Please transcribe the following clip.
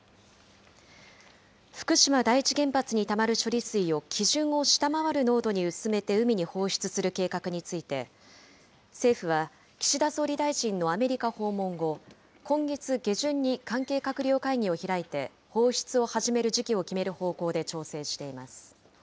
福島第一原発にたまる処理水を、基準を下回る濃度に薄めて海に放出する計画について、政府は岸田総理大臣のアメリカ訪問後、今月下旬に関係閣僚会議を開いて放出を始める時期を決める方向で調整しています。